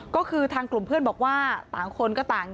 ก็คือทางกลุ่มเพื่อนบอกว่าต่างคนก็ต่าง